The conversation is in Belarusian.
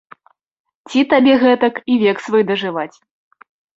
Ці табе гэтак і век свой дажываць!